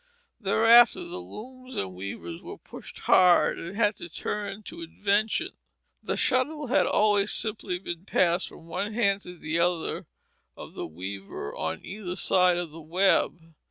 Thereafter the looms and weavers were pushed hard and had to turn to invention. The shuttle had always simply been passed from one hand to the other of the weaver on either side of the web.